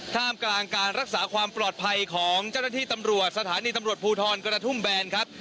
ท่ามกลางการรักษาความปลอดภัยของเจ้าหน้าที่ตำรวจสถานีตำรวจภูทรกระทุ่มแบนครับ